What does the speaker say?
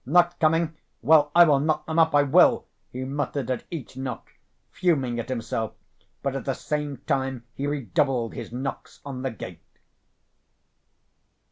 "Not coming? Well, I will knock them up, I will!" he muttered at each knock, fuming at himself, but at the same time he redoubled his knocks on the gate.